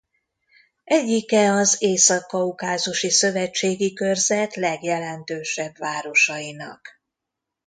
Egyike az Észak-kaukázusi szövetségi körzet legjelentősebb városainak.